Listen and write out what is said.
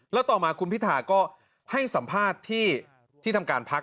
แล้วต่อมาคุณพิธาก็ให้สัมภาษณ์ที่ทำการพัก